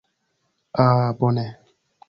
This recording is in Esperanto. Ah bone!